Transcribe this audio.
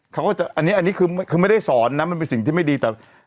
เขาก็จะอันนี้อันนี้คือไม่ได้สอนนะมันเป็นสิ่งที่ไม่ดีแต่